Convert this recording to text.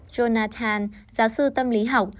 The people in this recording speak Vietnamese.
jonathan giáo sư tâm lý học